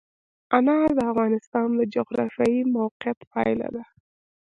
انار د افغانستان د جغرافیایي موقیعت پایله ده.